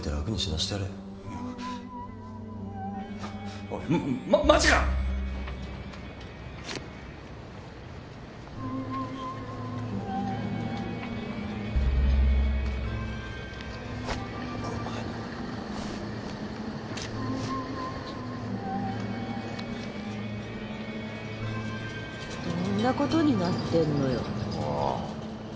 どんなことになってんのよ？